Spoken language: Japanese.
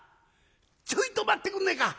ちょいと待ってくんねえか。